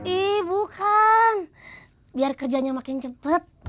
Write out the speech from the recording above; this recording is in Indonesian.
ihh bukan biar kerjanya makin cepet